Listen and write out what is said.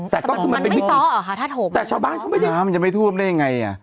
แต่ก็คือมันไม่ซ้ออ่ะค่ะถ้าถมแต่ชาวบ้านเขาไม่ได้มันจะไม่ท่วมได้ยังไงอ่ะ